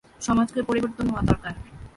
সমাজকে পরিবর্তন হওয়া দরকার।